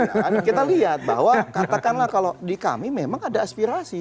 kan kita lihat bahwa katakanlah kalau di kami memang ada aspirasi